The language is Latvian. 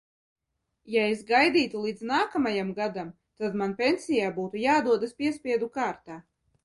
Ja es gaidītu līdz nākamajam gadam, tad man pensijā būtu jādodas piespiedu kārtā.